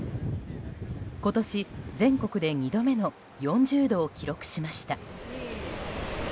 今年、全国で２度目の４０度を記録しました。